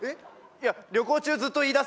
いや旅行中ずっと言いだせなくて。